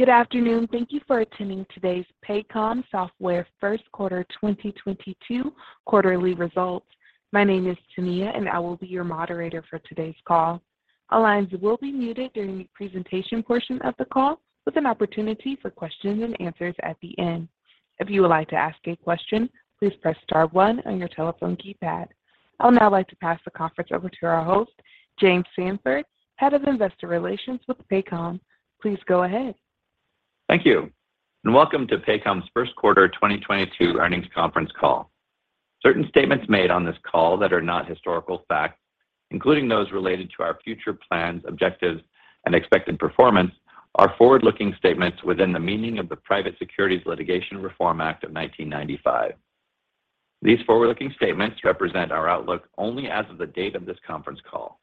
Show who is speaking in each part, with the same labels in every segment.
Speaker 1: Good afternoon. Thank you for attending today's Paycom Software first quarter 2022 quarterly results. My name is Tania, and I will be your moderator for today's call. All lines will be muted during the presentation portion of the call with an opportunity for questions and answers at the end. If you would like to ask a question, please press star one on your telephone keypad. I'll now like to pass the conference over to our host, James Samford, Head of Investor Relations with Paycom. Please go ahead.
Speaker 2: Thank you. Welcome to Paycom's first quarter 2022 earnings conference call. Certain statements made on this call that are not historical facts, including those related to our future plans, objectives, and expected performance, are forward-looking statements within the meaning of the Private Securities Litigation Reform Act of 1995. These forward-looking statements represent our outlook only as of the date of this conference call.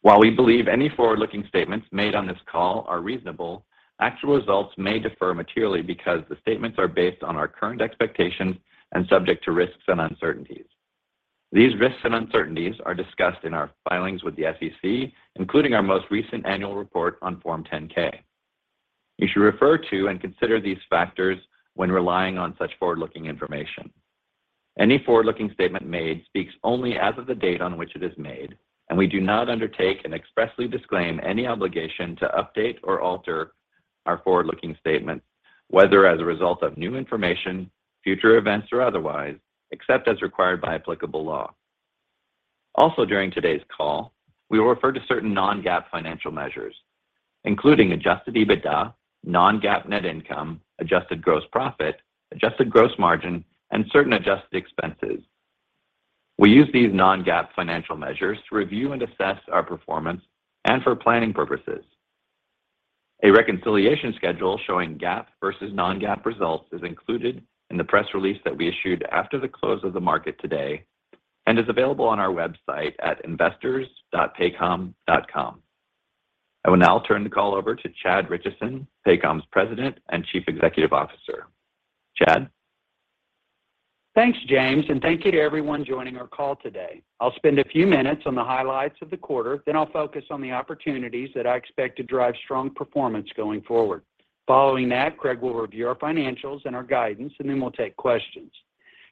Speaker 2: While we believe any forward-looking statements made on this call are reasonable, actual results may differ materially because the statements are based on our current expectations and subject to risks and uncertainties. These risks and uncertainties are discussed in our filings with the SEC, including our most recent annual report on Form 10-K. You should refer to and consider these factors when relying on such forward-looking information. Any forward-looking statement made speaks only as of the date on which it is made, and we do not undertake and expressly disclaim any obligation to update or alter our forward-looking statements, whether as a result of new information, future events, or otherwise, except as required by applicable law. Also during today's call, we will refer to certain non-GAAP financial measures, including adjusted EBITDA, non-GAAP net income, adjusted gross profit, adjusted gross margin, and certain adjusted expenses. We use these non-GAAP financial measures to review and assess our performance and for planning purposes. A reconciliation schedule showing GAAP versus non-GAAP results is included in the press release that we issued after the close of the market today and is available on our website at investors.paycom.com. I will now turn the call over to Chad Richison, Paycom's President and Chief Executive Officer. Chad?
Speaker 3: Thanks, James, and thank you to everyone joining our call today. I'll spend a few minutes on the highlights of the quarter, then I'll focus on the opportunities that I expect to drive strong performance going forward. Following that, Craig will review our financials and our guidance, and then we'll take questions.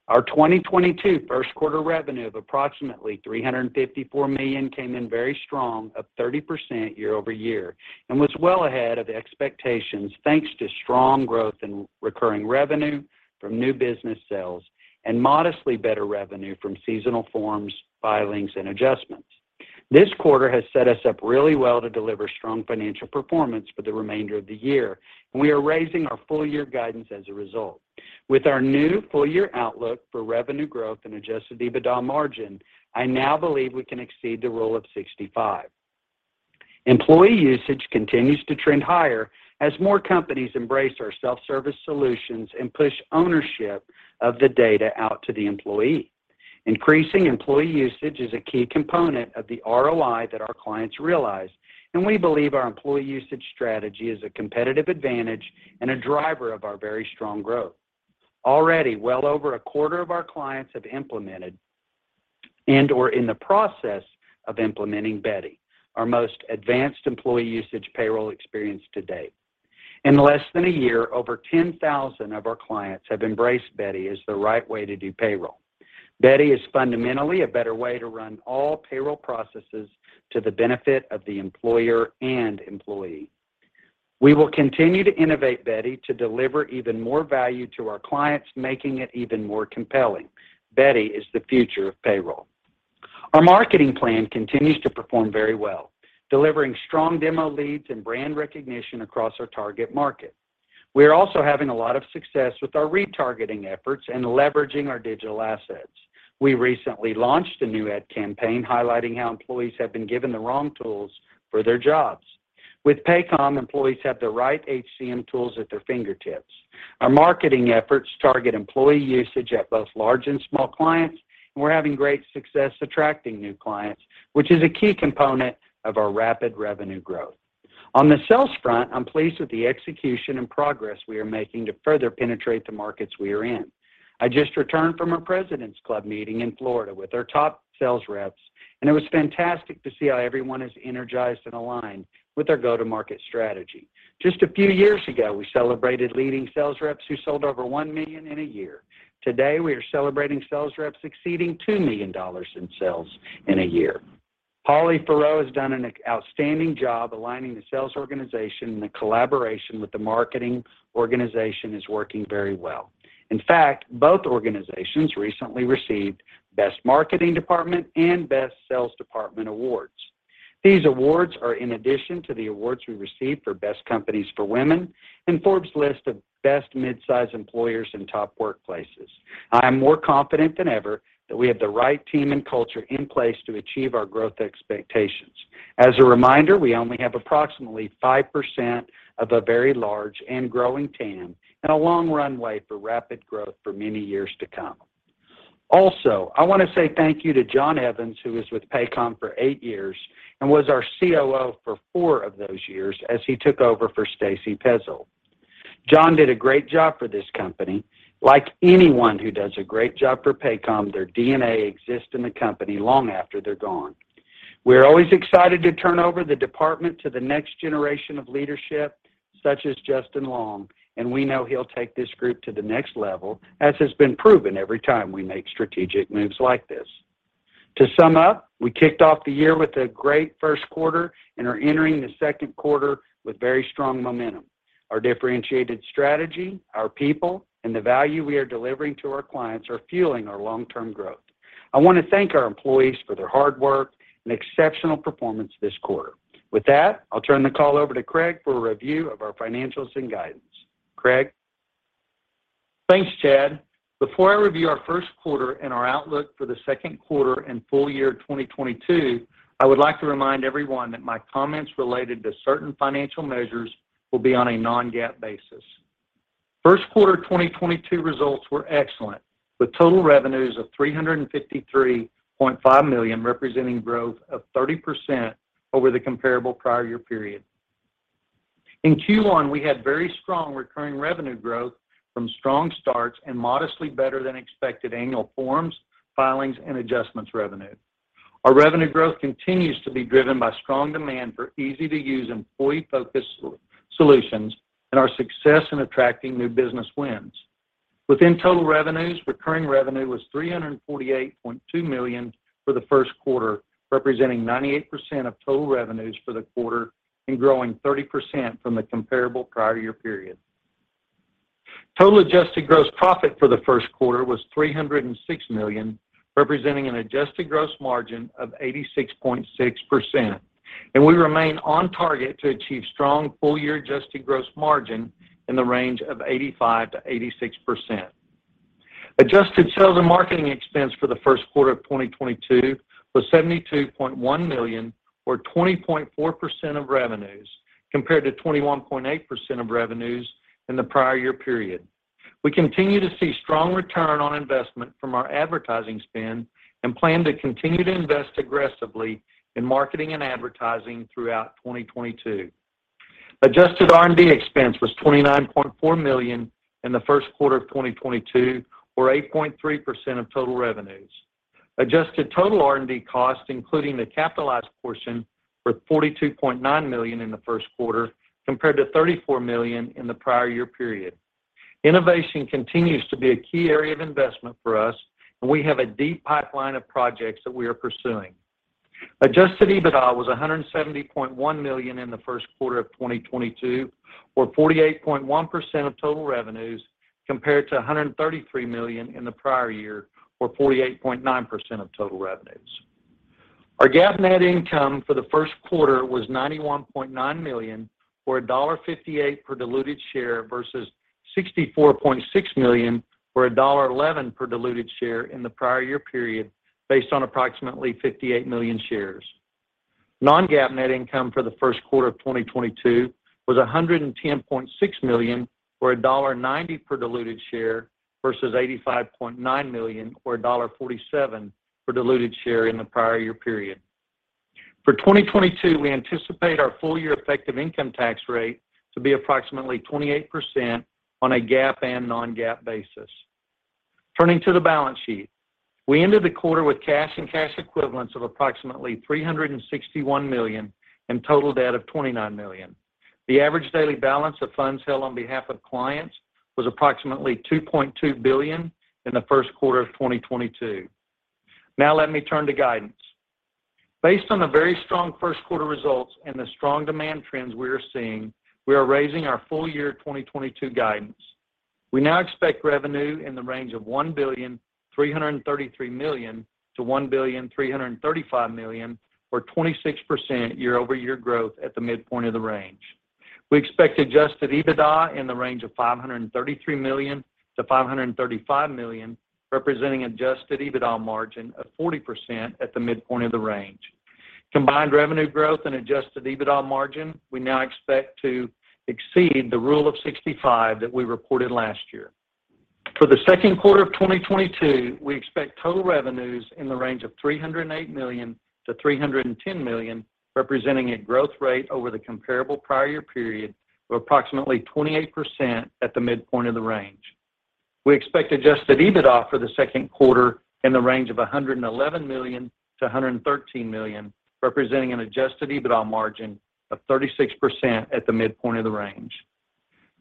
Speaker 3: Our 2022 first quarter revenue of approximately $354 million came in very strong, up 30% year-over-year, and was well ahead of expectations, thanks to strong growth in recurring revenue from new business sales and modestly better revenue from seasonal forms, filings, and adjustments. This quarter has set us up really well to deliver strong financial performance for the remainder of the year, and we are raising our full year guidance as a result. With our new full year outlook for revenue growth and adjusted EBITDA margin, I now believe we can exceed the Rule of 65. Employee usage continues to trend higher as more companies embrace our self-service solutions and push ownership of the data out to the employee. Increasing employee usage is a key component of the ROI that our clients realize, and we believe our employee usage strategy is a competitive advantage and a driver of our very strong growth. Already, well over a quarter of our clients have implemented and/or in the process of implementing Beti, our most advanced employee usage payroll experience to date. In less than a year, over 10,000 of our clients have embraced Beti as the right way to do payroll. Beti is fundamentally a better way to run all payroll processes to the benefit of the employer and employee. We will continue to innovate Beti to deliver even more value to our clients, making it even more compelling. Beti is the future of payroll. Our marketing plan continues to perform very well, delivering strong demo leads and brand recognition across our target market. We are also having a lot of success with our retargeting efforts and leveraging our digital assets. We recently launched a new ad campaign highlighting how employees have been given the wrong tools for their jobs. With Paycom, employees have the right HCM tools at their fingertips. Our marketing efforts target employee usage at both large and small clients, and we're having great success attracting new clients, which is a key component of our rapid revenue growth. On the sales front, I'm pleased with the execution and progress we are making to further penetrate the markets we are in. I just returned from a President's Club meeting in Florida with our top sales reps, and it was fantastic to see how everyone is energized and aligned with our go-to-market strategy. Just a few years ago, we celebrated leading sales reps who sold over $1 million in a year. Today, we are celebrating sales reps exceeding $2 million in sales in a year. Holly Faurot has done an outstanding job aligning the sales organization, and the collaboration with the marketing organization is working very well. In fact, both organizations recently received Best Marketing Department and Best Sales Department awards. These awards are in addition to the awards we received for Best Companies for Women and Forbes list of Best Mid-sized Employers and Top Workplaces. I am more confident than ever that we have the right team and culture in place to achieve our growth expectations. As a reminder, we only have approximately 5% of a very large and growing TAM and a long runway for rapid growth for many years to come. Also, I want to say thank you to Jon Evans, who was with Paycom for eight years and was our COO for four of those years as he took over for Stacey Pezold. Jon did a great job for this company like anyone who does a great job for Paycom, their DNA exists in the company long after they're gone. We're always excited to turn over the department to the next generation of leadership, such as Justin Long, and we know he'll take this group to the next level, as has been proven every time we make strategic moves like this. To sum up, we kicked off the year with a great first quarter and are entering the second quarter with very strong momentum. Our differentiated strategy, our people, and the value we are delivering to our clients are fueling our long-term growth. I want to thank our employees for their hard work and exceptional performance this quarter. With that, I'll turn the call over to Craig for a review of our financials and guidance. Craig?
Speaker 4: Thanks, Chad. Before I review our first quarter and our outlook for the second quarter and full year 2022, I would like to remind everyone that my comments related to certain financial measures will be on a non-GAAP basis. First quarter 2022 results were excellent, with total revenues of $353.5 million, representing growth of 30% over the comparable prior year period. In Q1, we had very strong recurring revenue growth from strong starts and modestly better than expected annual forms, filings, and adjustments revenue. Our revenue growth continues to be driven by strong demand for easy to use employee-focused SaaS solutions and our success in attracting new business wins. Within total revenues, recurring revenue was $348.2 million for the first quarter, representing 98% of total revenues for the quarter and growing 30% from the comparable prior year period. Total adjusted gross profit for the first quarter was $306 million, representing an adjusted gross margin of 86.6%, and we remain on target to achieve strong full year adjusted gross margin in the range of 85%-86%. Adjusted sales and marketing expense for the first quarter of 2022 was $72.1 million, or 20.4% of revenues, compared to 21.8% of revenues in the prior year period. We continue to see strong return on investment from our advertising spend and plan to continue to invest aggressively in marketing and advertising throughout 2022. Adjusted R&D expense was $29.4 million in the first quarter of 2022, or 8.3% of total revenues. Adjusted total R&D costs, including the capitalized portion, were $42.9 million in the first quarter, compared to $34 million in the prior year period. Innovation continues to be a key area of investment for us, and we have a deep pipeline of projects that we are pursuing. Adjusted EBITDA was $170.1 million in the first quarter of 2022, or 48.1% of total revenues, compared to $133 million in the prior year or 48.9% of total revenues. Our GAAP net income for the first quarter was $91.9 million or $1.58 per diluted share versus $64.6 million or $1.11 per diluted share in the prior year period based on approximately 58 million shares. Non-GAAP net income for the first quarter of 2022 was $110.6 million or $1.90 per diluted share versus $85.9 million or $1.47 per diluted share in the prior year period. For 2022, we anticipate our full year effective income tax rate to be approximately 28% on a GAAP and non-GAAP basis. Turning to the balance sheet. We ended the quarter with cash and cash equivalents of approximately $361 million and total debt of $29 million. The average daily balance of funds held on behalf of clients was approximately $2.2 billion in the first quarter of 2022. Now let me turn to guidance. Based on the very strong first quarter results and the strong demand trends we are seeing, we are raising our full year 2022 guidance. We now expect revenue in the range of $1.333 billion-$1.335 billion or 26% year-over-year growth at the midpoint of the range. We expect adjusted EBITDA in the range of $533 million-$535 million, representing adjusted EBITDA margin of 40% at the midpoint of the range. Combined revenue growth and adjusted EBITDA margin, we now expect to exceed the Rule of 65 that we reported last year. For the second quarter of 2022, we expect total revenues in the range of $308 million-$310 million, representing a growth rate over the comparable prior year period of approximately 28% at the midpoint of the range. We expect adjusted EBITDA for the second quarter in the range of $111 million-$113 million, representing an adjusted EBITDA margin of 36% at the midpoint of the range.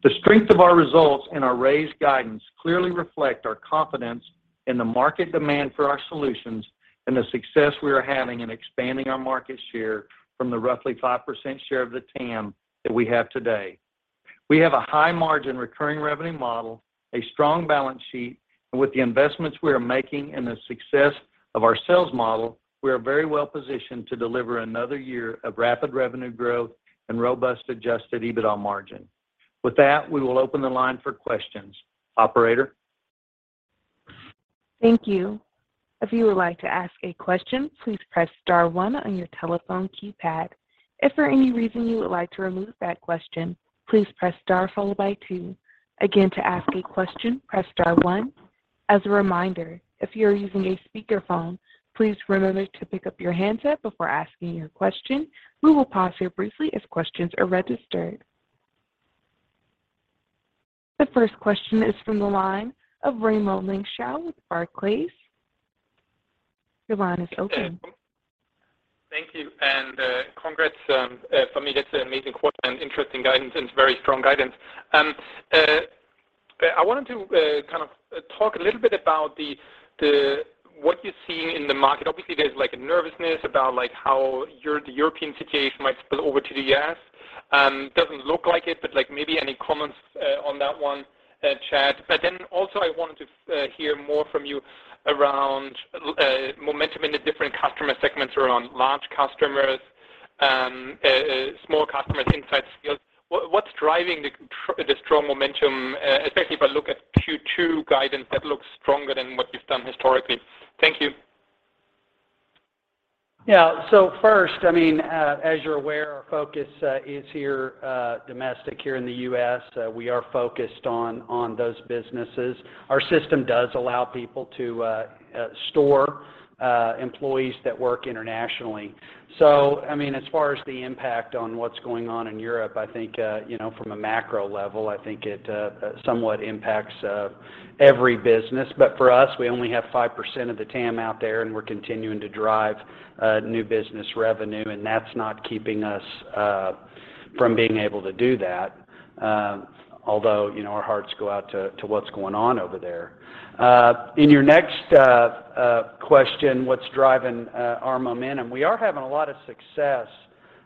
Speaker 4: The strength of our results and our raised guidance clearly reflect our confidence in the market demand for our solutions and the success we are having in expanding our market share from the roughly 5% share of the TAM that we have today. We have a high margin recurring revenue model, a strong balance sheet, and with the investments we are making and the success of our sales model, we are very well positioned to deliver another year of rapid revenue growth and robust adjusted EBITDA margin. With that, we will open the line for questions. Operator?
Speaker 1: Thank you. If you would like to ask a question, please press star one on your telephone keypad. If for any reason you would like to remove that question, please press star followed by two. Again, to ask a question, press star one. As a reminder, if you're using a speakerphone, please remember to pick up your handset before asking your question. We will pause here briefly as questions are registered. The first question is from the line of Raimo Lenschow with Barclays. Your line is open.
Speaker 5: Thank you, congrats, for me, that's an amazing quote and interesting guidance and very strong guidance. I wanted to kind of talk a little bit about what you're seeing in the market. Obviously, there's like a nervousness about like how the European situation might spill over to the U.S. Doesn't look like it, but like maybe any comments on that one, Chad. I wanted to hear more from you around momentum in the different customer segments, around large customers, small customers, inside sales. What's driving the strong momentum, especially if I look at Q2 guidance that looks stronger than what you've done historically? Thank you.
Speaker 3: Yeah. First, I mean, as you're aware, our focus is here, domestic here in the U.S. We are focused on those businesses. Our system does allow people to store employees that work internationally. I mean, as far as the impact on what's going on in Europe, I think you know, from a macro level, I think it somewhat impacts every business. For us, we only have 5% of the TAM out there, and we're continuing to drive new business revenue, and that's not keeping us from being able to do that, although you know, our hearts go out to what's going on over there. In your next question, what's driving our momentum, we are having a lot of success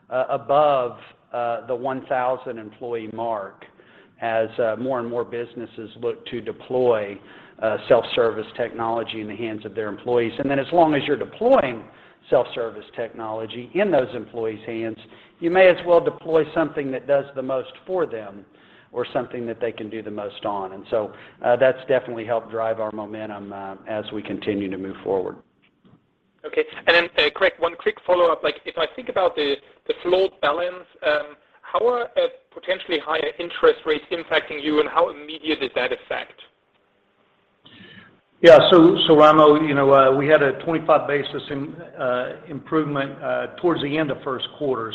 Speaker 3: above the 1,000 employee mark as more and more businesses look to deploy self-service technology in the hands of their employees. As long as you're deploying self-service technology in those employees' hands, you may as well deploy something that does the most for them or something that they can do the most on. That's definitely helped drive our momentum as we continue to move forward.
Speaker 5: Okay. Craig, one quick follow-up. Like, if I think about the float balance, how are potentially higher interest rates impacting you, and how immediate is that effect?
Speaker 4: Raimo, you know, we had a 25 basis point improvement towards the end of first quarter.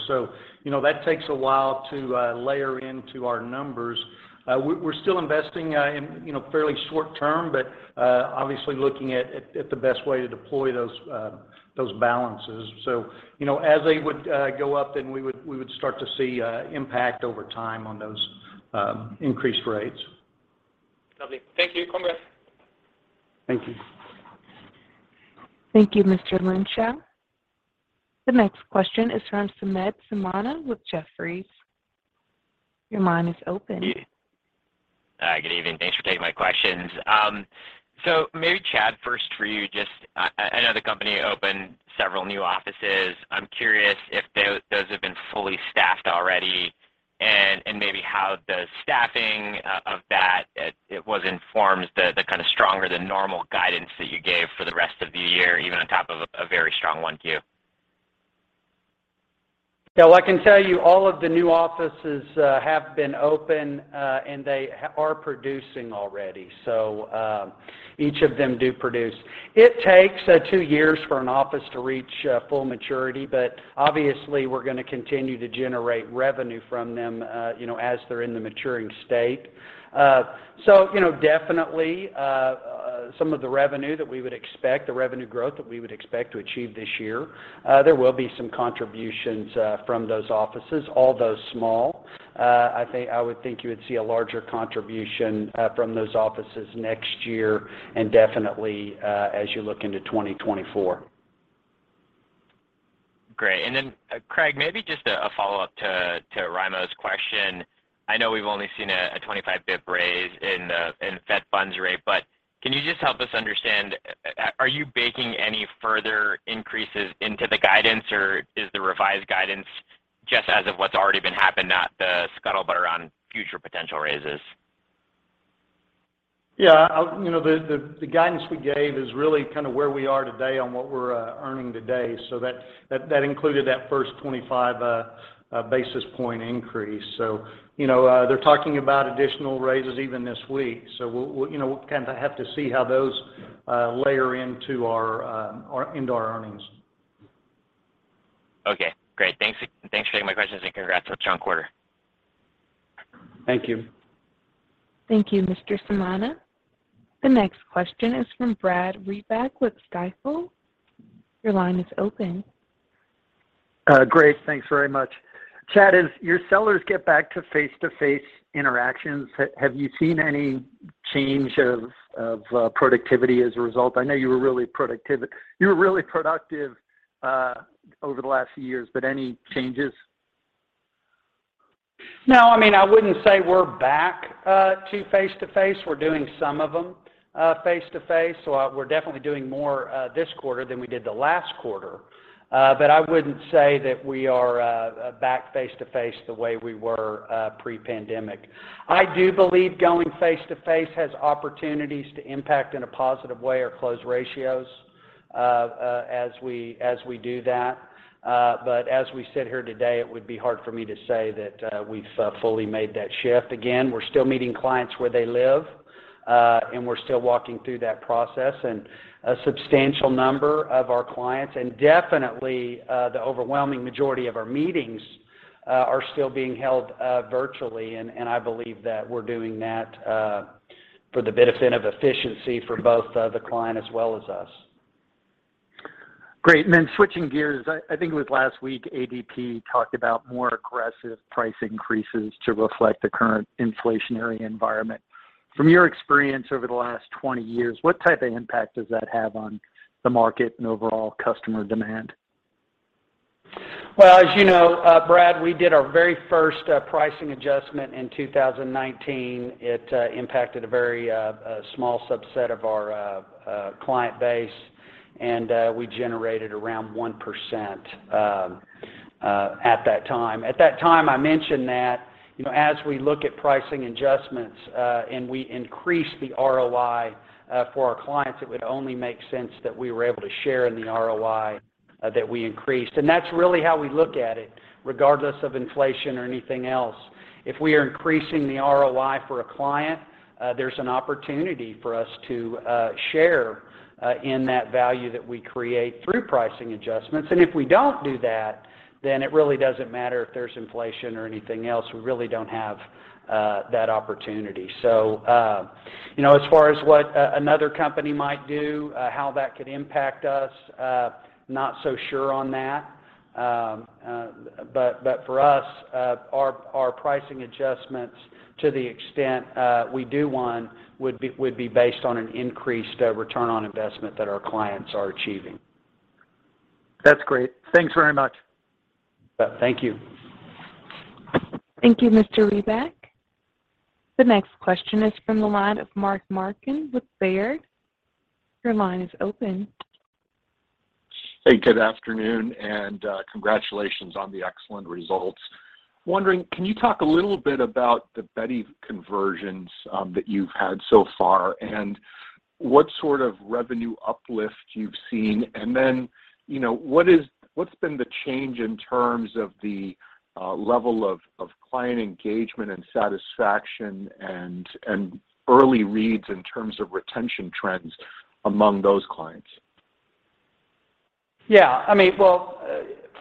Speaker 4: You know, that takes a while to layer into our numbers. We're still investing in, you know, fairly short term, but obviously looking at the best way to deploy those balances. You know, as they would go up, then we would start to see impact over time on those increased rates.
Speaker 5: Lovely. Thank you. Congrats.
Speaker 4: Thank you.
Speaker 1: Thank you, Mr. Lenschow. The next question is from Samad Samana with Jefferies. Your line is open.
Speaker 6: Yeah. Good evening. Thanks for taking my questions. So maybe Chad, first for you, just, I know the company opened several new offices. I'm curious if those have been fully staffed already and maybe how the staffing of that informed the kinda stronger than normal guidance that you gave for the rest of the year, even on top of a very strong 1Q.
Speaker 3: I can tell you all of the new offices have been open and they are producing already. Each of them do produce. It takes two years for an office to reach full maturity, but obviously we're gonna continue to generate revenue from them, you know, as they're in the maturing state. You know, definitely, some of the revenue that we would expect, the revenue growth that we would expect to achieve this year, there will be some contributions from those offices, although small. I would think you would see a larger contribution from those offices next year and definitely, as you look into 2024.
Speaker 6: Great. Craig, maybe just a follow-up to Raimo's question. I know we've only seen a 25 basis point raise in Fed funds rate, but can you just help us understand, are you baking any further increases into the guidance, or is the revised guidance just as of what's already been happened, not the scuttlebutt around future potential raises?
Speaker 4: Yeah. You know, the guidance we gave is really kinda where we are today on what we're earning today. That included that first 25 basis point increase. You know, they're talking about additional raises even this week. We, you know, kind of have to see how those layer into our earnings.
Speaker 6: Okay. Great. Thanks for taking my questions, and congrats on a strong quarter.
Speaker 3: Thank you.
Speaker 1: Thank you, Mr. Samana. The next question is from Brad Reback with Stifel. Your line is open.
Speaker 7: Great. Thanks very much. Chad, as your sellers get back to face-to-face interactions, have you seen any change of productivity as a result? I know you were really productive over the last few years, but any changes?
Speaker 3: No. I mean, I wouldn't say we're back to face-to-face. We're doing some of them face-to-face. We're definitely doing more this quarter than we did the last quarter. I wouldn't say that we are back face-to-face the way we were pre-pandemic. I do believe going face-to-face has opportunities to impact in a positive way our close ratios as we do that. As we sit here today, it would be hard for me to say that we've fully made that shift. Again, we're still meeting clients where they live and we're still walking through that process. A substantial number of our clients, and definitely the overwhelming majority of our meetings, are still being held virtually. I believe that we're doing that for the benefit of efficiency for both the client as well as us.
Speaker 7: Great. Switching gears, I think it was last week, ADP talked about more aggressive price increases to reflect the current inflationary environment. From your experience over the last 20 years, what type of impact does that have on the market and overall customer demand?
Speaker 3: Well, as you know, Brad, we did our very first pricing adjustment in 2019. It impacted a very small subset of our client base, and we generated around 1% at that time. At that time, I mentioned that, you know, as we look at pricing adjustments and we increase the ROI for our clients, it would only make sense that we were able to share in the ROI that we increased. That's really how we look at it, regardless of inflation or anything else. If we are increasing the ROI for a client, there's an opportunity for us to share in that value that we create through pricing adjustments. If we don't do that, then it really doesn't matter if there's inflation or anything else. We really don't have that opportunity. You know, as far as what another company might do, how that could impact us, not so sure on that. For us, our pricing adjustments to the extent we do one would be based on an increased return on investment that our clients are achieving.
Speaker 7: That's great. Thanks very much.
Speaker 3: Thank you.
Speaker 1: Thank you, Mr. Reback. The next question is from the line of Mark Marcon with Baird. Your line is open.
Speaker 8: Hey, good afternoon and congratulations on the excellent results. Wondering, can you talk a little bit about the Beti conversions that you've had so far, and what sort of revenue uplift you've seen? You know, what's been the change in terms of the level of client engagement and satisfaction and early reads in terms of retention trends among those clients?
Speaker 3: Yeah. I mean, well,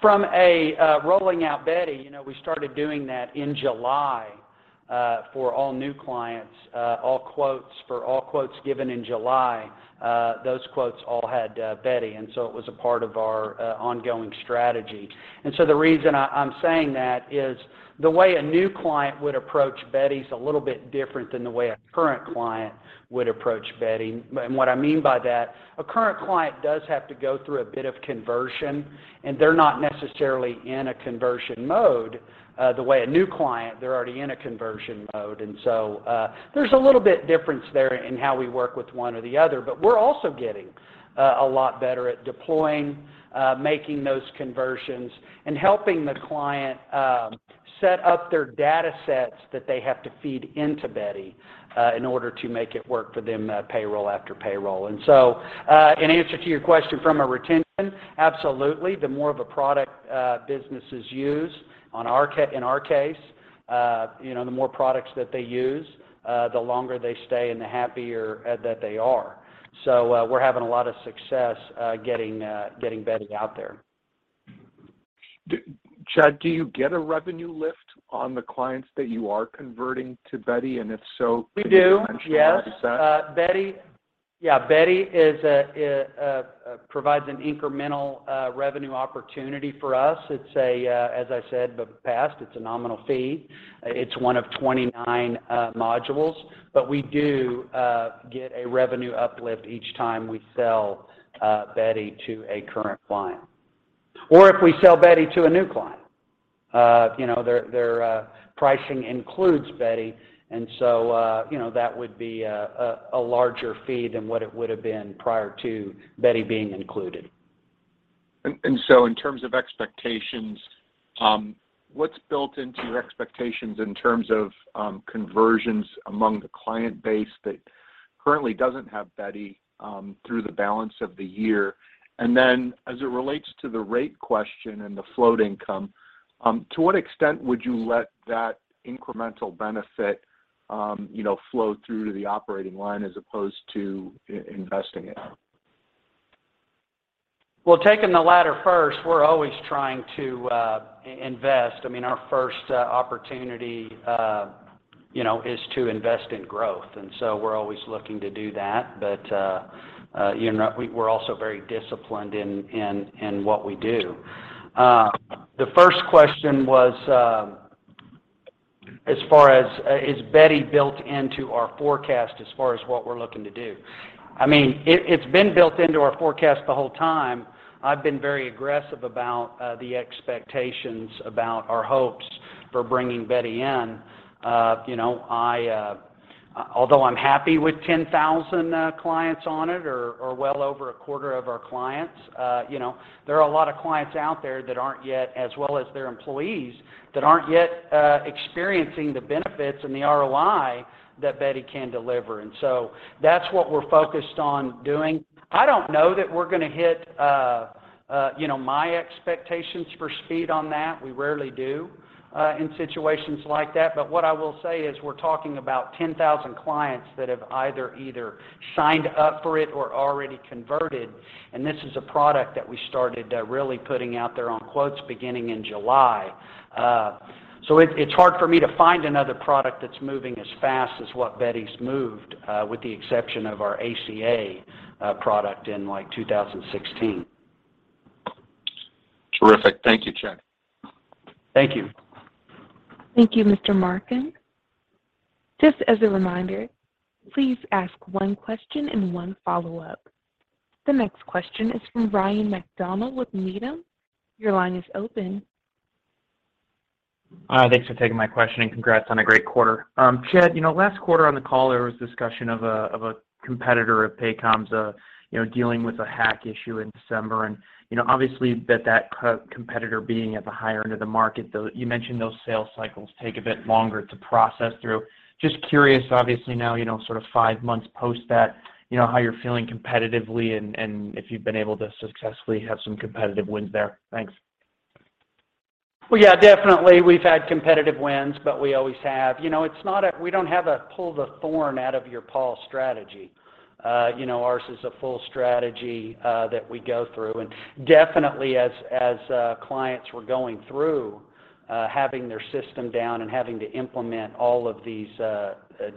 Speaker 3: from a rolling out Beti, you know, we started doing that in July for all new clients. For all quotes given in July, those quotes all had Beti, and so it was a part of our ongoing strategy. The reason I'm saying that is the way a new client would approach Beti is a little bit different than the way a current client would approach Beti. What I mean by that, a current client does have to go through a bit of conversion, and they're not necessarily in a conversion mode the way a new client, they're already in a conversion mode. There's a little bit of difference there in how we work with one or the other, but we're also getting a lot better at deploying, making those conversions and helping the client set up their datasets that they have to feed into Beti in order to make it work for them, payroll after payroll. In answer to your question from a retention, absolutely. The more of a product businesses use in our case, you know, the more products that they use, the longer they stay and the happier that they are. We're having a lot of success getting Beti out there.
Speaker 8: Chad, do you get a revenue lift on the clients that you are converting to Beti? If so, can you-
Speaker 3: We do. Yes
Speaker 8: Mention what is that?
Speaker 3: Beti. Yeah. Beti provides an incremental revenue opportunity for us. As I said in the past, it's a nominal fee. It's one of 29 modules. We do get a revenue uplift each time we sell Beti to a current client. If we sell Beti to a new client, you know, their pricing includes Beti and so, you know, that would be a larger fee than what it would have been prior to Beti being included.
Speaker 8: In terms of expectations, what's built into your expectations in terms of conversions among the client base that currently doesn't have Beti through the balance of the year? As it relates to the rate question and the float income, to what extent would you let that incremental benefit, you know, flow through to the operating line as opposed to investing it?
Speaker 3: Well, taking the latter first, we're always trying to invest. I mean, our first opportunity, you know, is to invest in growth, and so we're always looking to do that. You know, we're also very disciplined in what we do. The first question was, as far as, is Beti built into our forecast as far as what we're looking to do. I mean, it's been built into our forecast the whole time. I've been very aggressive about the expectations about our hopes for bringing Beti in. You know, although I'm happy with 10,000 clients on it or well over a quarter of our clients, you know, there are a lot of clients out there that aren't yet, as well as their employees, that aren't yet experiencing the benefits and the ROI that Beti can deliver. That's what we're focused on doing. I don't know that we're gonna hit you know, my expectations for speed on that, we rarely do in situations like that. What I will say is we're talking about 10,000 clients that have either signed up for it or already converted, and this is a product that we started really putting out there on quotes beginning in July. It's hard for me to find another product that's moving as fast as what Beti's moved, with the exception of our ACA product in, like, 2016.
Speaker 8: Terrific. Thank you, Chad.
Speaker 3: Thank you.
Speaker 1: Thank you, Mr. Marcon. Just as a reminder, please ask one question and one follow-up. The next question is from Ryan MacDonald with Needham. Your line is open.
Speaker 9: Thanks for taking my question, and congrats on a great quarter. Chad, you know, last quarter on the call, there was discussion of a competitor of Paycom's, you know, dealing with a hack issue in December. You know, obviously that competitor being at the higher end of the market, though, you mentioned those sales cycles take a bit longer to process through. Just curious, obviously now, you know, sort of five months post that, you know, how you're feeling competitively and if you've been able to successfully have some competitive wins there. Thanks.
Speaker 3: Well, yeah, definitely we've had competitive wins, but we always have. You know, it's not a pull the thorn out of your paw strategy. You know, ours is a full strategy that we go through. Definitely as clients were going through having their system down and having to implement all of these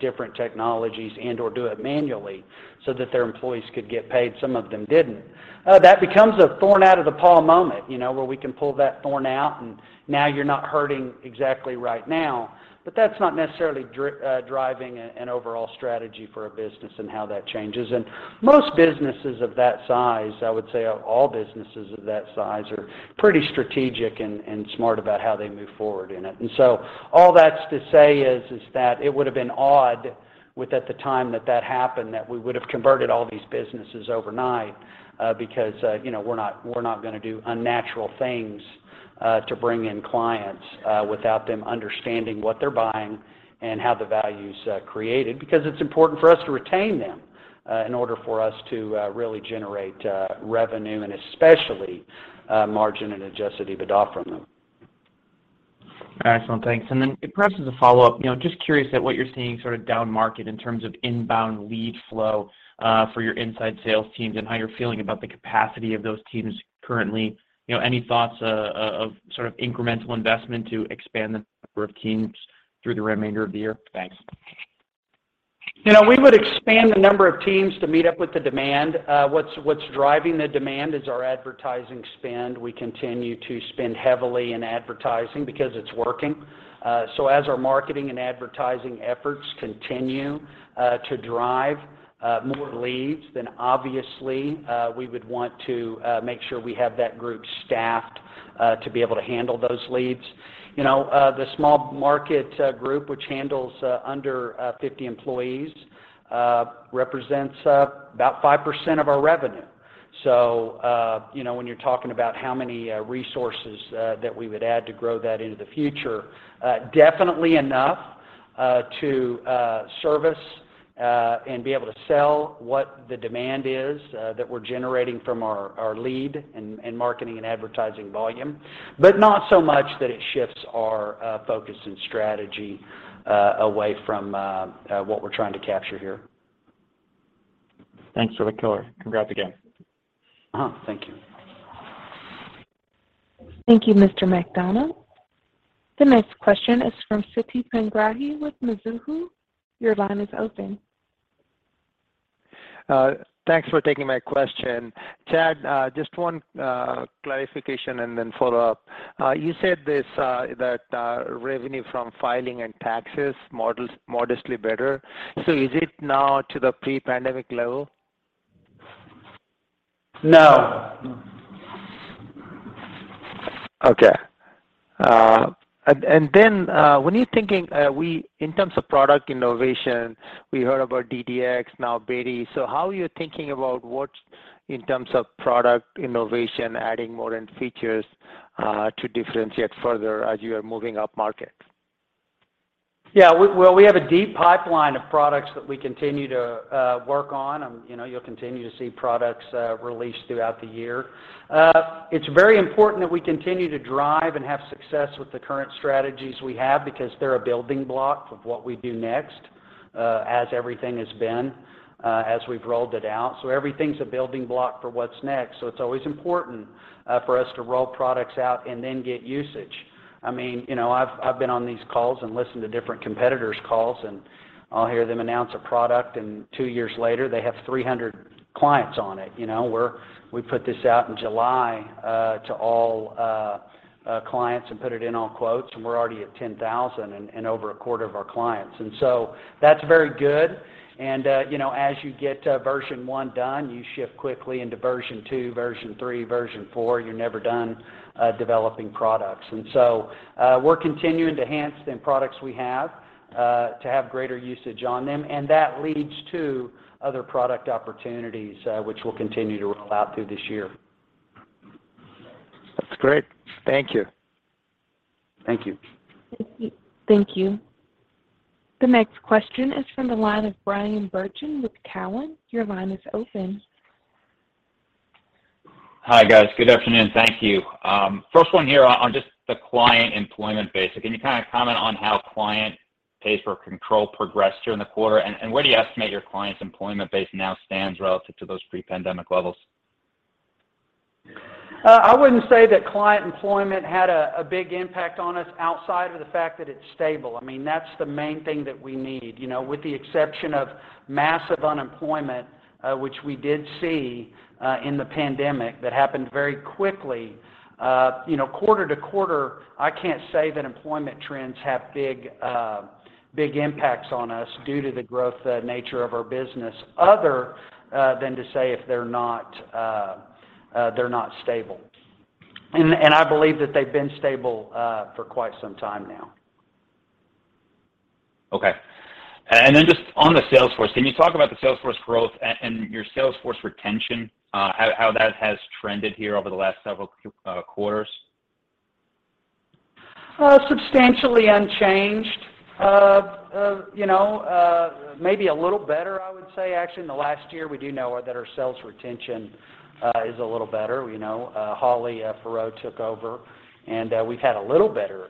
Speaker 3: different technologies and/or do it manually so that their employees could get paid, some of them didn't. That becomes a thorn out of the paw moment, you know, where we can pull that thorn out, and now you're not hurting exactly right now. But that's not necessarily driving an overall strategy for a business and how that changes. Most businesses of that size, I would say all businesses of that size, are pretty strategic and smart about how they move forward in it. So all that's to say is that it would have been odd if, at the time that happened, that we would have converted all these businesses overnight, because you know, we're not gonna do unnatural things to bring in clients without them understanding what they're buying and how the value's created, because it's important for us to retain them in order for us to really generate revenue and especially margin and adjusted EBITDA from them.
Speaker 9: Excellent. Thanks. Perhaps as a follow-up, you know, just curious at what you're seeing sort of down market in terms of inbound lead flow for your inside sales teams and how you're feeling about the capacity of those teams currently. You know, any thoughts of sort of incremental investment to expand the number of teams through the remainder of the year? Thanks.
Speaker 3: You know, we would expand the number of teams to meet up with the demand. What's driving the demand is our advertising spend. We continue to spend heavily in advertising because it's working. As our marketing and advertising efforts continue to drive more leads, obviously we would want to make sure we have that group staffed to be able to handle those leads. You know, the small market group, which handles under 50 employees, represents about 5% of our revenue. You know, when you're talking about how many resources that we would add to grow that into the future, definitely enough to service and be able to sell what the demand is that we're generating from our lead and marketing and advertising volume, but not so much that it shifts our focus and strategy away from what we're trying to capture here.
Speaker 9: Thanks for the color. Congrats again.
Speaker 3: Uh-huh. Thank you.
Speaker 1: Thank you, Mr. MacDonald. The next question is from Siti Panigrahi with Mizuho. Your line is open.
Speaker 10: Thanks for taking my question. Chad, just one, clarification and then follow-up. You said that revenue from filing and taxes models modestly better. Is it now to the pre-pandemic level?
Speaker 3: No.
Speaker 10: Okay, when you're thinking in terms of product innovation, we heard about DDX, now Beti. How are you thinking about what's next in terms of product innovation, adding more end features, to differentiate further as you are moving up market?
Speaker 3: We have a deep pipeline of products that we continue to work on. You know, you'll continue to see products released throughout the year. It's very important that we continue to drive and have success with the current strategies we have because they're a building block of what we do next, as everything has been, as we've rolled it out. Everything's a building block for what's next. It's always important for us to roll products out and then get usage. I mean, you know, I've been on these calls and listened to different competitors' calls, and I'll hear them announce a product, and two years later they have 300 clients on it. You know, we put this out in July, to all clients and put it in all quotes, and we're already at 10,000 and over a quarter of our clients. That's very good. You know, as you get version one done, you shift quickly into version 2, version 3, version 4. You're never done developing products. We're continuing to enhance the products we have to have greater usage on them, and that leads to other product opportunities which we'll continue to roll out through this year.
Speaker 10: That's great. Thank you.
Speaker 3: Thank you.
Speaker 1: Thank you. The next question is from the line of Bryan Bergin with Cowen. Your line is open.
Speaker 11: Hi, guys. Good afternoon. Thank you. First one here on just the client employment base. Can you kind of comment on how client pay for control progressed during the quarter? Where do you estimate your client's employment base now stands relative to those pre-pandemic levels?
Speaker 3: I wouldn't say that client employment had a big impact on us outside of the fact that it's stable. I mean, that's the main thing that we need. You know, with the exception of massive unemployment, which we did see in the pandemic that happened very quickly. You know, quarter to quarter, I can't say that employment trends have big impacts on us due to the growth nature of our business other than to say if they're not stable. I believe that they've been stable for quite some time now.
Speaker 11: Okay. Just on the sales force, can you talk about the sales force growth and your sales force retention, how that has trended here over the last several quarters?
Speaker 3: Substantially unchanged. You know, maybe a little better, I would say. Actually, in the last year, we do know that our sales retention is a little better. You know, Holly Faurot took over, and we've had a little better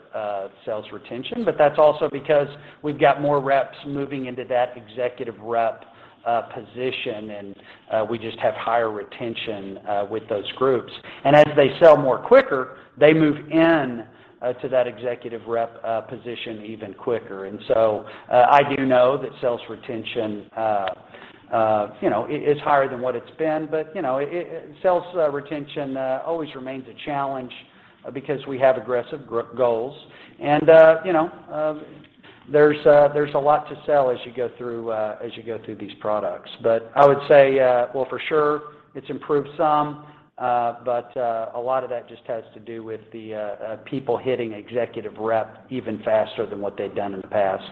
Speaker 3: sales retention. That's also because we've got more reps moving into that executive rep position, and we just have higher retention with those groups. As they sell more quicker, they move in to that executive rep position even quicker. I do know that sales retention you know is higher than what it's been, but you know, it. Sales retention always remains a challenge because we have aggressive goals and, you know, there's a lot to sell as you go through these products. I would say, well, for sure it's improved some, but a lot of that just has to do with the people hitting executive rep even faster than what they've done in the past.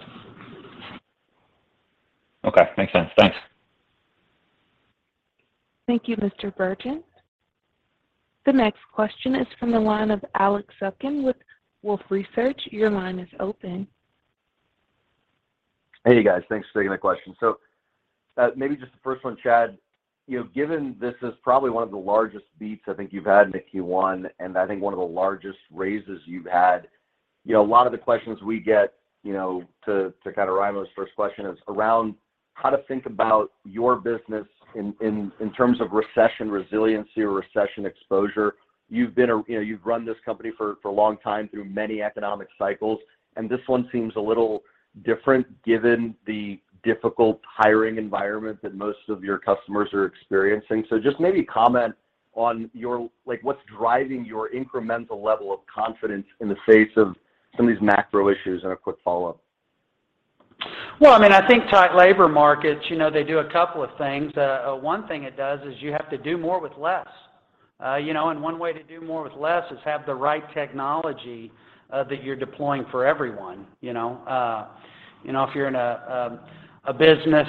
Speaker 11: Okay. Makes sense. Thanks.
Speaker 1: Thank you, Mr. Bergin. The next question is from the line of Alex Zukin with Wolfe Research. Your line is open.
Speaker 12: Hey, you guys. Thanks for taking the question. Maybe just the first one, Chad, you know, given this is probably one of the largest beats I think you've had in the Q1, and I think one of the largest raises you've had, you know, a lot of the questions we get, you know, to kind of frame the first question is around how to think about your business in terms of recession resiliency or recession exposure. You know, you've run this company for a long time through many economic cycles, and this one seems a little different given the difficult hiring environment that most of your customers are experiencing. Just maybe comment on. Like, what's driving your incremental level of confidence in the face of some of these macro issues and a quick follow-up.
Speaker 3: Well, I mean, I think tight labor markets, you know, they do a couple of things. One thing it does is you have to do more with less. You know, one way to do more with less is have the right technology that you're deploying for everyone, you know. You know, if you're in a business,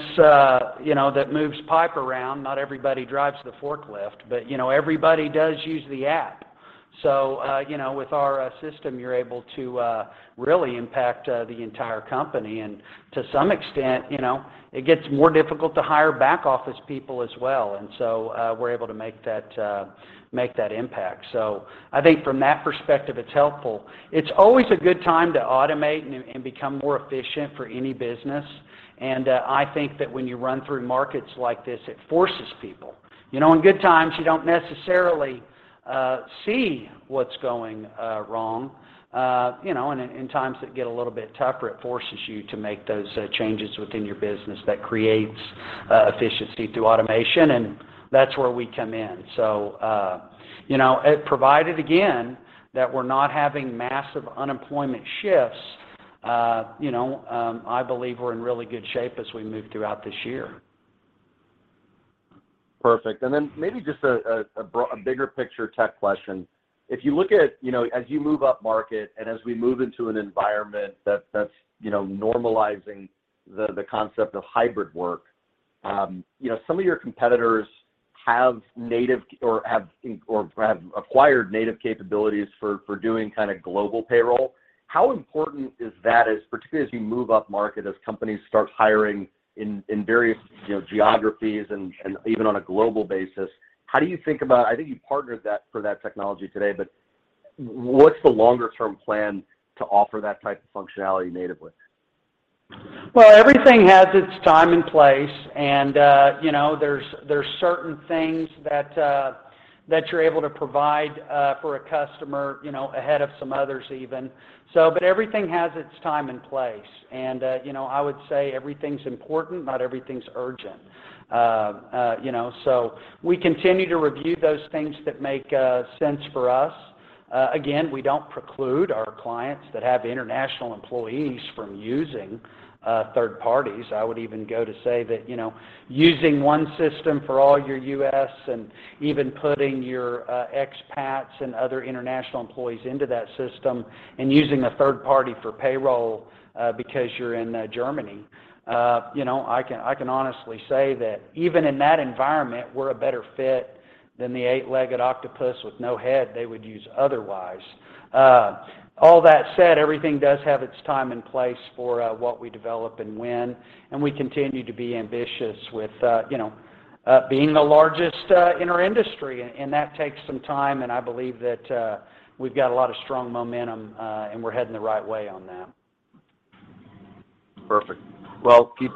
Speaker 3: you know, that moves pipe around, not everybody drives the forklift, but you know, everybody does use the app. You know, with our system, you're able to really impact the entire company. To some extent, you know, it gets more difficult to hire back office people as well. We're able to make that impact. I think from that perspective, it's helpful. It's always a good time to automate and become more efficient for any business, and I think that when you run through markets like this, it forces people. You know, in good times, you don't necessarily see what's going wrong. You know, in times that get a little bit tougher, it forces you to make those changes within your business that creates efficiency through automation, and that's where we come in. You know, it provided again that we're not having massive unemployment shifts. You know, I believe we're in really good shape as we move throughout this year.
Speaker 12: Perfect. Maybe just a bigger picture tech question. If you look at, you know, as you move up market and as we move into an environment that's normalizing the concept of hybrid work, you know, some of your competitors have native or acquired native capabilities for doing kind of global payroll. How important is that, particularly as you move up market, as companies start hiring in various, you know, geographies and even on a global basis? How do you think about that? I think you partnered that for that technology today, but what's the longer term plan to offer that type of functionality natively?
Speaker 3: Well, everything has its time and place and, you know, there's certain things that you're able to provide for a customer, you know, ahead of some others even. Everything has its time and place. You know, I would say everything's important, not everything's urgent. You know, so we continue to review those things that make sense for us. Again, we don't preclude our clients that have international employees from using third parties. I would even go to say that, you know, using one system for all your U.S. and even putting your expats and other international employees into that system and using a third party for payroll because you're in Germany, you know, I can honestly say that even in that environment, we're a better fit than the eight-legged octopus with no head they would use otherwise. All that said, everything does have its time and place for what we develop and when, and we continue to be ambitious with, you know, being the largest in our industry, and that takes some time, and I believe that we've got a lot of strong momentum, and we're heading the right way on that.
Speaker 12: Perfect. Well, keep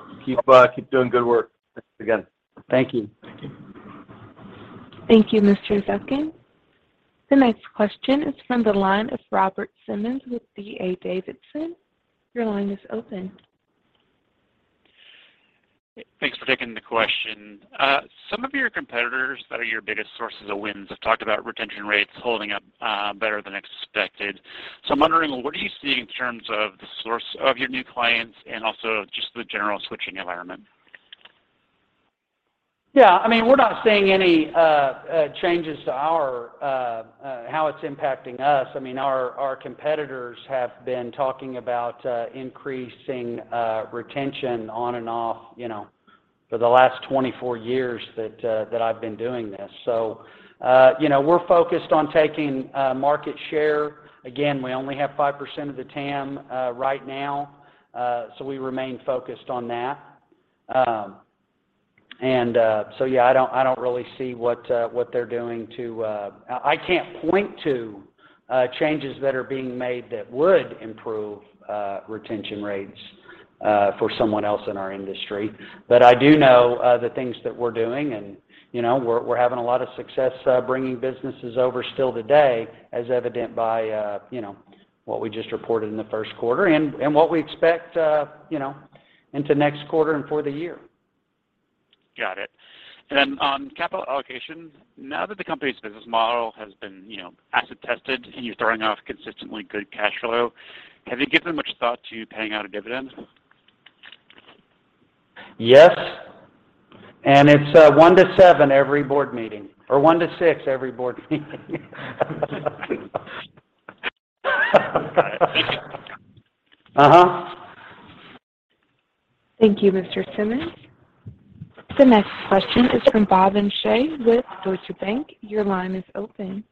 Speaker 12: doing good work. Thanks again.
Speaker 3: Thank you. Thank you.
Speaker 1: Thank you, Mr. Zukin. The next question is from the line of Robert Simmons with D.A. Davidson. Your line is open.
Speaker 13: Thanks for taking the question. Some of your competitors that are your biggest sources of wins have talked about retention rates holding up, better than expected. I'm wondering what are you seeing in terms of the source of your new clients and also just the general switching environment?
Speaker 3: Yeah. I mean, we're not seeing any changes to how it's impacting us. I mean, our competitors have been talking about increasing retention on and off, you know, for the last 24 years that I've been doing this. You know, we're focused on taking market share. Again, we only have 5% of the TAM right now, so we remain focused on that. Yeah, I don't really see what they're doing. I can't point to changes that are being made that would improve retention rates for someone else in our industry. I do know the things that we're doing and, you know, we're having a lot of success bringing businesses over still today, as evident by you know what we just reported in the first quarter and what we expect you know into next quarter and for the year.
Speaker 13: Got it. On capital allocation, now that the company's business model has been, you know, acid tested, and you're throwing off consistently good cash flow, have you given much thought to paying out a dividend?
Speaker 3: Yes. It's 1-7 every board meeting, or 1-6 every board meeting.
Speaker 1: Thank you, Mr. Simmons. The next question is from Bhavin Shah with Deutsche Bank. Your line is open.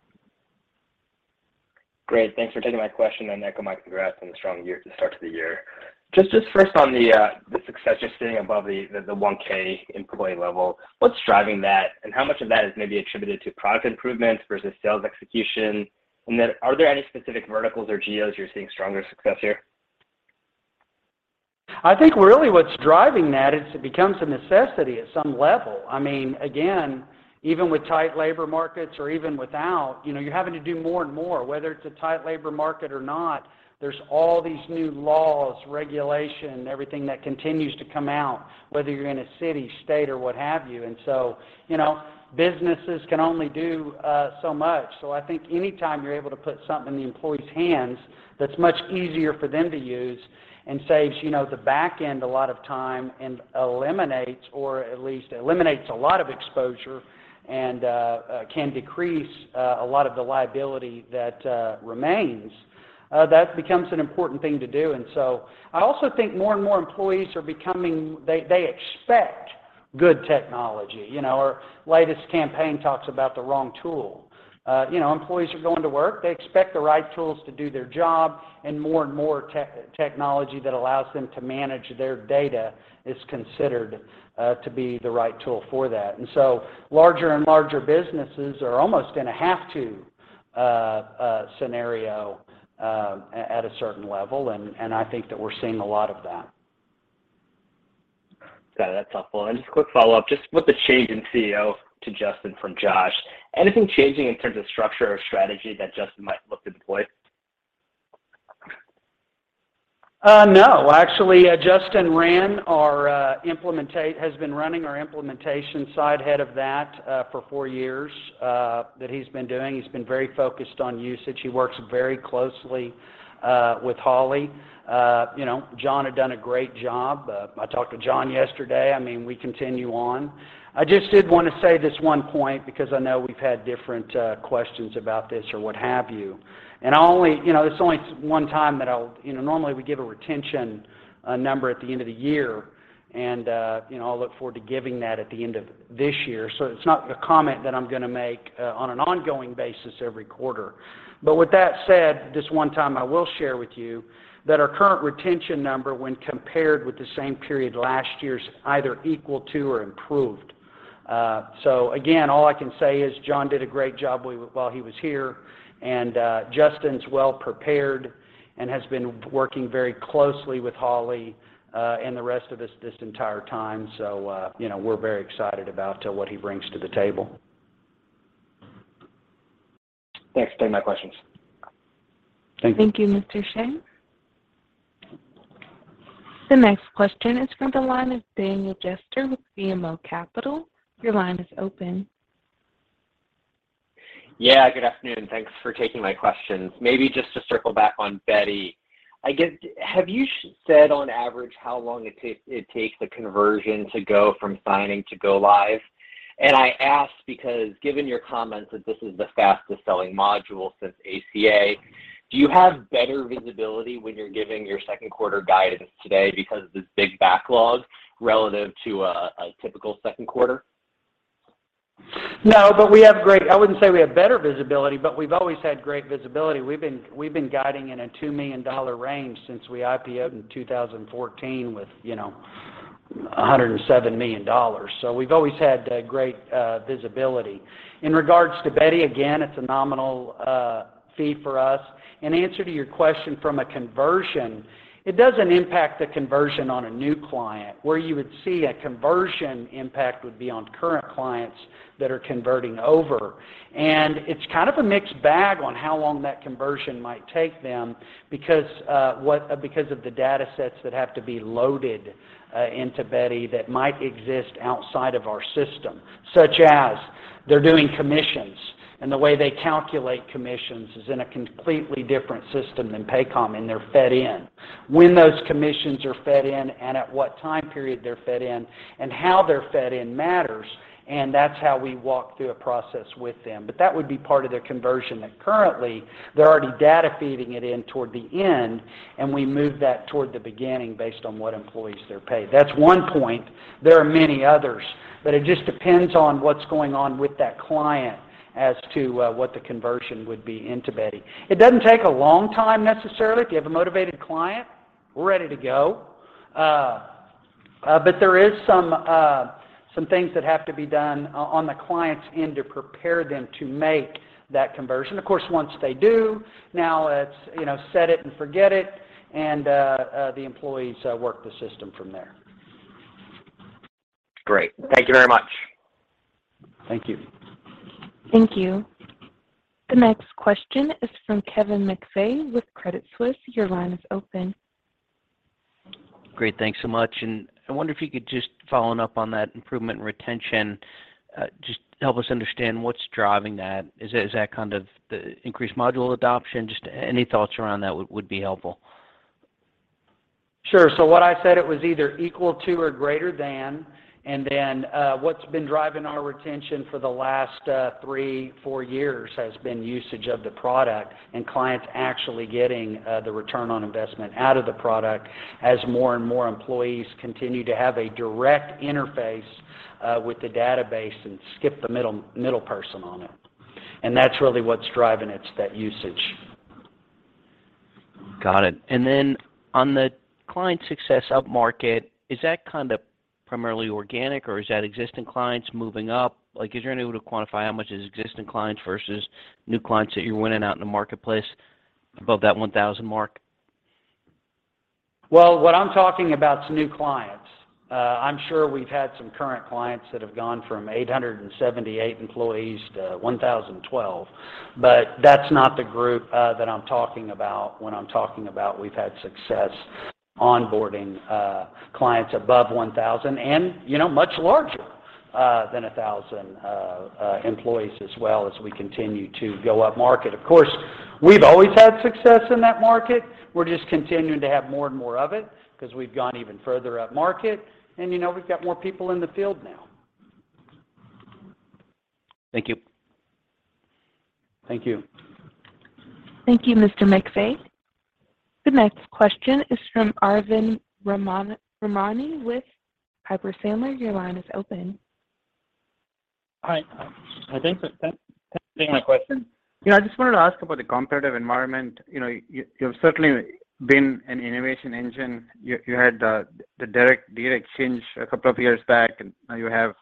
Speaker 14: Great. Thanks for taking my question, and echo my congrats on the strong year, start to the year. Just first on the success you're seeing above the 1K employee level, what's driving that? And how much of that is maybe attributed to product improvements versus sales execution? And then are there any specific verticals or geos you're seeing stronger success here?
Speaker 3: I think really what's driving that is it becomes a necessity at some level. I mean, again, even with tight labor markets or even without, you know, you're having to do more and more, whether it's a tight labor market or not, there's all these new laws, regulation, everything that continues to come out, whether you're in a city, state or what have you. You know, businesses can only do so much. I think anytime you're able to put something in the employee's hands that's much easier for them to use and saves, you know, the back end a lot of time and eliminates or at least a lot of exposure and can decrease a lot of the liability that remains that becomes an important thing to do. I also think more and more employees are becoming They expect good technology. You know, our latest campaign talks about the wrong tool. You know, employees are going to work. They expect the right tools to do their job, and more and more technology that allows them to manage their data is considered to be the right tool for that. Larger and larger businesses are almost in a have to scenario at a certain level, and I think that we're seeing a lot of that.
Speaker 14: Got it. That's helpful. Just a quick follow-up, just with the change in CEO to Justin from Josh. Anything changing in terms of structure or strategy that Justin might look to deploy?
Speaker 3: No. Actually, Justin has been running our implementation side, head of that, for four years that he's been doing. He's been very focused on usage. He works very closely with Holly. You know, John had done a great job. I talked to John yesterday. I mean, we continue on. I just did want to say this one point because I know we've had different questions about this or what have you. I only, you know, this is only one time that I'll, you know, normally we give a retention number at the end of the year and, you know, I'll look forward to giving that at the end of this year. It's not a comment that I'm gonna make on an ongoing basis every quarter. with that said, this one time I will share with you that our current retention number when compared with the same period last year is either equal to or improved. Again, all I can say is Jon did a great job while he was here, and Justin's well prepared and has been working very closely with Holly and the rest of us this entire time. You know, we're very excited about what he brings to the table.
Speaker 14: Thanks. Take my questions.
Speaker 3: Thank you.
Speaker 1: Thank you, Mr. Shah. The next question is from the line of Daniel Jester with BMO Capital Markets. Your line is open.
Speaker 15: Yeah, good afternoon. Thanks for taking my questions. Maybe just to circle back on Beti, I guess, have you said on average how long it takes the conversion to go from signing to go live? I ask because given your comments that this is the fastest selling module since ACA. Do you have better visibility when you're giving your second quarter guidance today because of this big backlog relative to a typical second quarter?
Speaker 3: No, but we have great visibility. I wouldn't say we have better visibility, but we've always had great visibility. We've been guiding in a $2 million range since we IPO'd in 2014 with, you know, $107 million. So we've always had great visibility. In regards to Beti, again, it's a nominal fee for us. In answer to your question from a conversion, it doesn't impact the conversion on a new client. Where you would see a conversion impact would be on current clients that are converting over. It's kind of a mixed bag on how long that conversion might take them because of the data sets that have to be loaded into Beti that might exist outside of our system, such as they're doing commissions, and the way they calculate commissions is in a completely different system than Paycom and they're fed in. When those commissions are fed in and at what time period they're fed in and how they're fed in matters, and that's how we walk through a process with them. But that would be part of their conversion that currently they're already data feeding it in toward the end, and we move that toward the beginning based on what employees they're paid. That's one point. There are many others, but it just depends on what's going on with that client as to what the conversion would be into Beti. It doesn't take a long time necessarily. If you have a motivated client, we're ready to go. But there is some things that have to be done on the client's end to prepare them to make that conversion. Of course, once they do, now it's, you know, set it and forget it, and the employees work the system from there.
Speaker 15: Great. Thank you very much.
Speaker 3: Thank you.
Speaker 1: Thank you. The next question is from J.P. Morgan. Your line is open.
Speaker 16: Great. Thanks so much. I wonder if you could just follow up on that improved retention, just help us understand what's driving that. Is that kind of the increased module adoption? Just any thoughts around that would be helpful.
Speaker 3: Sure. What I said it was either equal to or greater than. What's been driving our retention for the last 3, 4 years has been usage of the product and clients actually getting the return on investment out of the product as more and more employees continue to have a direct interface with the database and skip the middle person on it. That's really what's driving it's that usage.
Speaker 16: Got it. On the client success upmarket, is that kind of primarily organic or is that existing clients moving up? Like, is there any way to quantify how much is existing clients versus new clients that you're winning out in the marketplace above that 1,000 mark?
Speaker 3: Well, what I'm talking about is new clients. I'm sure we've had some current clients that have gone from 878 employees to 1,012, but that's not the group that I'm talking about when I'm talking about we've had success onboarding clients above 1,000 and, you know, much larger than 1,000 employees as well as we continue to go upmarket. Of course, we've always had success in that market. We're just continuing to have more and more of it because we've gone even further upmarket, and, you know, we've got more people in the field now.
Speaker 16: Thank you.
Speaker 3: Thank you.
Speaker 1: Thank you, Mr. McVeigh. The next question is from Arvind Ramnani with Piper Sandler. Your line is open.
Speaker 16: Hi. My question. Yeah, I just wanted to ask about the competitive environment. You know, you've certainly been an innovation engine. You had the Direct Data Exchange a couple of years back, and now you have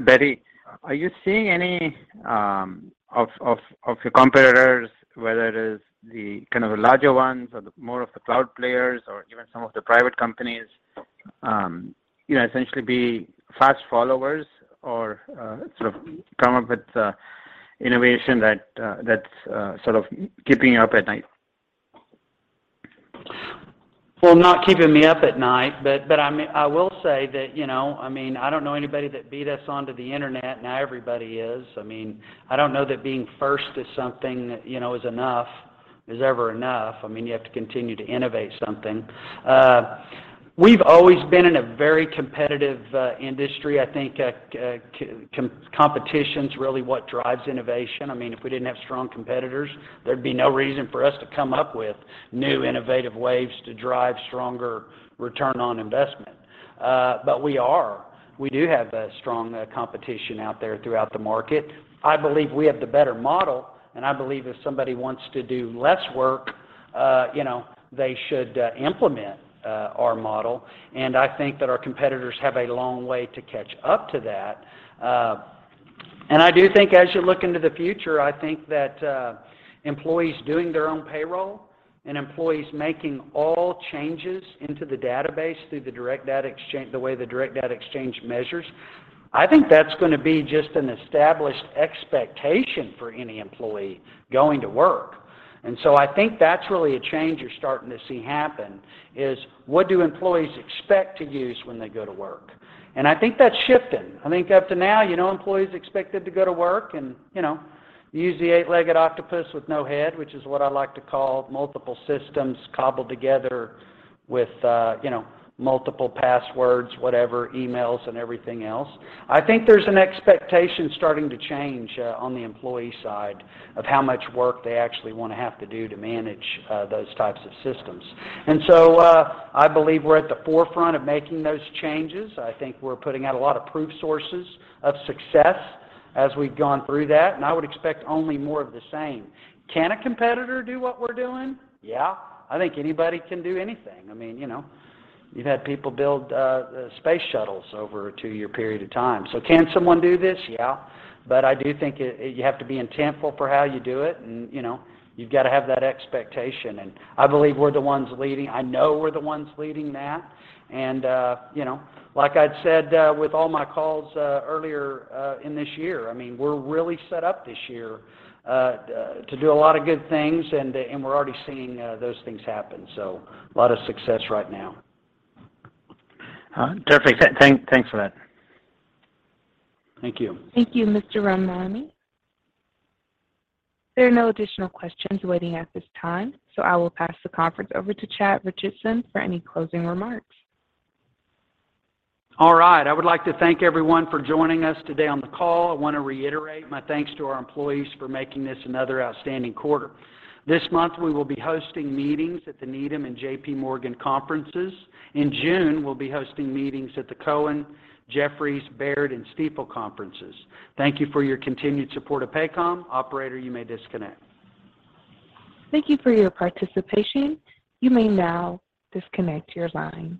Speaker 16: Beti. Are you seeing any of your competitors, whether it is the kind of larger ones or the more of the cloud players or even some of the private companies, essentially be fast followers or sort of come up with innovation that's sort of keeping you up at night?
Speaker 3: Not keeping me up at night, but I mean, I will say that, you know, I mean, I don't know anybody that beat us onto the Internet. Now everybody is. I mean, I don't know that being first is something, you know, is enough, is ever enough. I mean, you have to continue to innovate something. We've always been in a very competitive industry. I think competition's really what drives innovation. I mean, if we didn't have strong competitors, there'd be no reason for us to come up with new innovative ways to drive stronger return on investment. We are. We do have a strong competition out there throughout the market. I believe we have the better model, and I believe if somebody wants to do less work, you know, they should implement our model. I think that our competitors have a long way to catch up to that. I do think as you look into the future, I think that, employees doing their own payroll and employees making all changes into the database through the Direct Data Exchange, the way the Direct Data Exchange measures, I think that's gonna be just an established expectation for any employee going to work. I think that's really a change you're starting to see happen is what do employees expect to use when they go to work? I think that's shifting. I think up to now, you know, employees expected to go to work and, you know, use the eight-legged octopus with no head, which is what I like to call multiple systems cobbled together with, you know, multiple passwords, whatever, emails and everything else. I think there's an expectation starting to change, on the employee side of how much work they actually wanna have to do to manage, those types of systems. I believe we're at the forefront of making those changes. I think we're putting out a lot of proof sources of success as we've gone through that, and I would expect only more of the same. Can a competitor do what we're doing? Yeah. I think anybody can do anything. I mean, you know, you've had people build, space shuttles over a two-year period of time. Can someone do this? Yeah. I do think you have to be intentional for how you do it and, you know, you've got to have that expectation. I believe we're the ones leading. I know we're the ones leading that. You know, like I'd said, with all my calls earlier in this year, I mean, we're really set up this year to do a lot of good things and we're already seeing those things happen. A lot of success right now.
Speaker 16: Perfect. Thanks for that.
Speaker 3: Thank you.
Speaker 1: Thank you, Mr. Ramnani. There are no additional questions waiting at this time, so I will pass the conference over to Chad Richison for any closing remarks.
Speaker 3: All right. I would like to thank everyone for joining us today on the call. I want to reiterate my thanks to our employees for making this another outstanding quarter. This month, we will be hosting meetings at the Needham and JP Morgan conferences. In June, we'll be hosting meetings at the Cowen, Jefferies, Baird, and Stifel conferences. Thank you for your continued support of Paycom. Operator, you may disconnect.
Speaker 1: Thank you for your participation. You may now disconnect your lines.